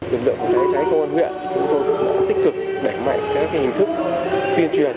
lực lượng phòng cháy cháy công an huyện chúng tôi cũng tích cực đẩy mạnh các hình thức tuyên truyền